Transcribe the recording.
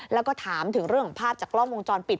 แล้วก็ถามถึงเรื่องของภาพจากกล้องวงจรปิด